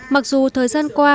mặc dù thời gian qua